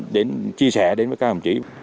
để chia sẻ đến với các đồng chí